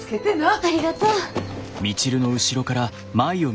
ありがとう。